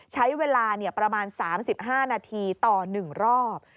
ใช้เวลาประมาณ๓๕นาทีต่อ๑รอบ